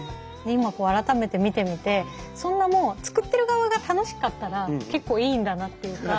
今改めて見てみてそんなもう作ってる側が楽しかったら結構いいんだなっていうか。